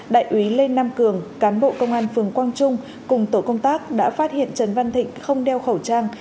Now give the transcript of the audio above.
đại úy lê nam cường cán bộ công an phường quang trung cùng tổ công tác đã phát hiện trần văn thịnh không đeo khẩu trang